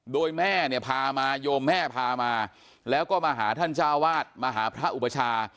โดยแม่เนี่ยพามาโยมแม่พามาแล้วก็มาหาท่านเจ้าวาดมาหาพระอุปชา